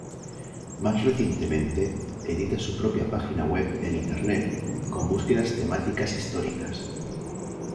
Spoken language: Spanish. Más recientemente, edita su propia página web en Internet con búsquedas temáticas históricas.